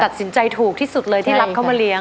ตัดสินใจถูกที่สุดเลยที่รับเขามาเลี้ย